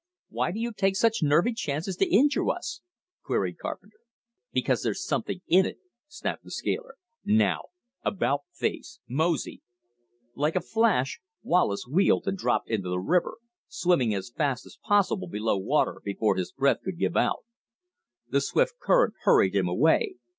"Why do you take such nervy chances to injure us?" queried Carpenter. "Because there's something in it," snapped the scaler. "Now about face; mosey!" Like a flash Wallace wheeled and dropped into the river, swimming as fast as possible below water before his breath should give out. The swift current hurried him away.